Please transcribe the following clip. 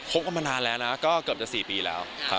คบกันมานานแล้วนะก็เกือบจะสี่ปีแล้ว